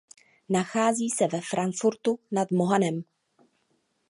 Nachází se ve Frankfurtu nad Mohanem.